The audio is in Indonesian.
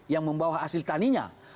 yang membawa hasil taninya